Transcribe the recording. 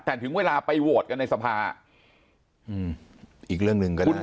แต่ถึงเวลาไปโหวตกันในสภาอีกเรื่องหนึ่งก็ได้